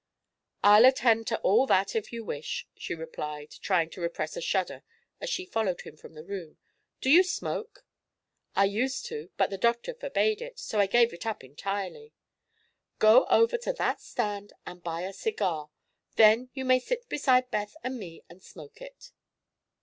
"I'll attend to all that, if you wish," she replied, trying to repress a shudder as she followed him from the room. "Do you smoke?" "I used to, but the doctor forbade it; so I gave it up entirely." "Go over to that stand and buy a cigar. Then you may sit beside Beth and me and smoke it."